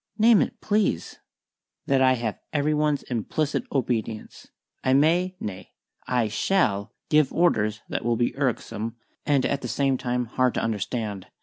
"Name it, please." "That I have every one's implicit obedience. I may nay, I shall give orders that will be irksome and at the same time hard to understand.